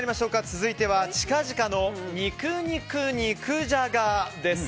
続いては近近の肉肉肉ジャガ！です。